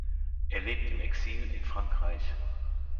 Er lebt im Exil in Frankreich.